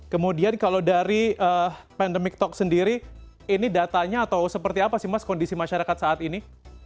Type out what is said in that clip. kemudian kalau dari pandemic talk sendiri ini datanya atau seperti apa sih mas kondisi masyarakat saat ini